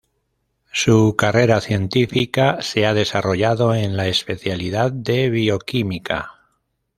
Su carrera científica se ha desarrollado en la especialidad de bioquímica.